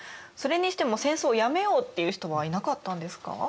それにしても「戦争をやめよう」って言う人はいなかったんですか？